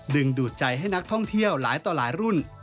ดูดใจให้นักท่องเที่ยวหลายต่อหลายรุ่น